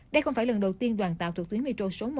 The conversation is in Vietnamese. đây không phải lần đầu tiên đoàn tàu thuộc tuyến metro số một